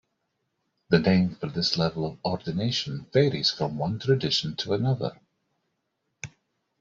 The name for this level of ordination varies from one tradition to another.